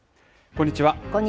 こんにちは。